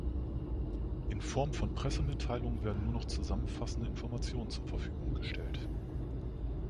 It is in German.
In Form von Pressemitteilungen werden nur noch zusammenfassende Informationen zur Verfügung gestellt.